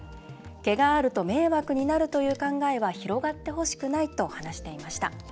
毛があると迷惑になるという考えは広がってほしくないと話していました。